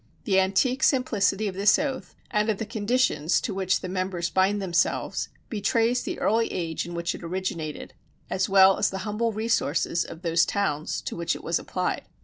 The antique simplicity of this oath, and of the conditions to which the members bind themselves, betrays the early age in which it originated, as well as the humble resources of those towns to which it was applied.